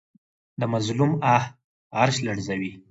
د مظلوم آه عرش لرزوي